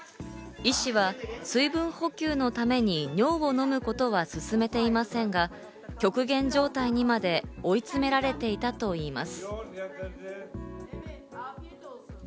医師は水分補給のために尿を飲むことはすすめていませんが、極限状態にまで追い詰められていたといいます。